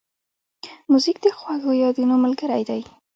موزیک د خوږو یادونو ملګری دی.